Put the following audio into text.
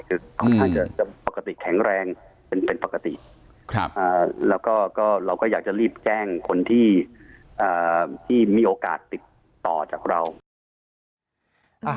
คือค่อนข้างจะปกติแข็งแรงเป็นปกติแล้วก็เราก็อยากจะรีบแจ้งคนที่มีโอกาสติดต่อจากเรานะครับ